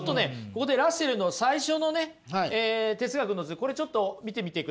ここでラッセルの最初のね哲学の図これちょっと見てみてください。